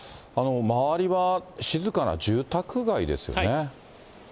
周りは静かな住宅街ですよね。